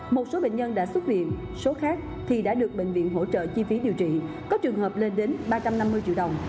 một số bệnh nhân đã xuất viện số khác thì đã được bệnh viện hỗ trợ chi phí điều trị có trường hợp lên đến ba trăm năm mươi triệu đồng